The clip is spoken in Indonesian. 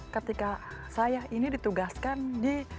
ketika saya ini ditugaskan di